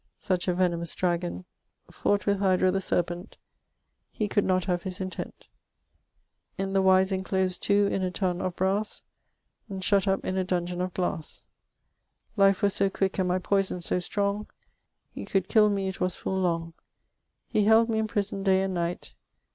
. such a venomous dragon .... fowght with Hidra the serpent ..... e cowlde not have his intent .... n the wyse inclose too in a toonne off brasse .... d shutt up in a doungeon of glasse .... lyffe was so quick and my poyson so strounge .... e cowlde kyll me it was full lounge .... he hyld me in prison day and nyght